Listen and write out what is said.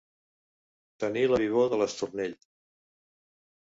Tenir la vivor de l'estornell.